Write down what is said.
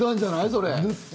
それ。